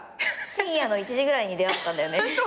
深夜の１時ぐらいに出会ったんだよね。